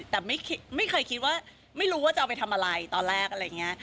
แต่ไม่เคยคิดว่าไม่รู้ว่าจะเอาไปทำอะไรตอนแรกอะไรอย่างนี้